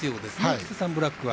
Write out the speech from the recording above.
キタサンブラックは。